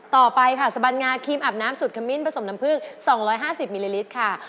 ต่อไปค่ะสบันงาครีมอาบน้ำสุดขมิ้นผสมน้ำผึ้ง๒๕๐มิลลิลิตรค่ะ